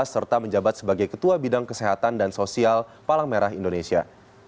serta menjabat sebagai ketua bidang kesehatan dan sosial palang merah indonesia